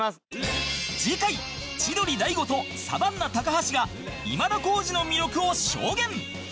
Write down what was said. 次回千鳥大悟とサバンナ高橋が今田耕司の魅力を証言！